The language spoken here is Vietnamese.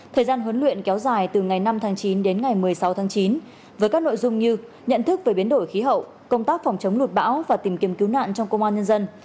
thời gian huấn luyện kéo dài từ ngày năm tháng chín đến ngày một mươi sáu tháng chín với các nội dung như nhận thức về biến đổi khí hậu công tác phòng chống lụt bão và tìm kiếm cứu nạn trong công an nhân dân